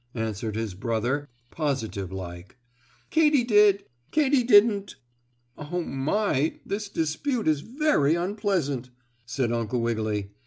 answered his brother, positive like. "Katy did!" "Katy didn't!" "Oh, my, this dispute is very unpleasant!" said Uncle Wiggily.